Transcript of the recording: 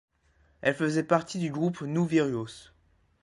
Elle faisait partie du groupe Nu Virgos.